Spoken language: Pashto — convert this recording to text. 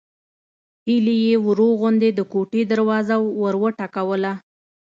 هيلې يې ورو غوندې د کوټې دروازه وروټکوله